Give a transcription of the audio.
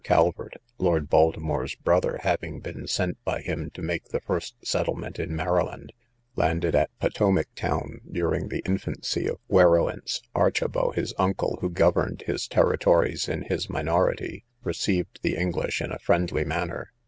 Calvert, Lord Baltimore's brother having been sent by him to make the first settlement in Maryland, landed at Potowmac town; during the infancy of Werowance, Archibau, his uncle, who governed his territories in his minority, received the English in a friendly manner.